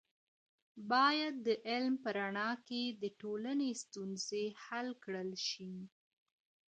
باید د علم په رڼا کې د ټولنې ستونزې حل کړل شي.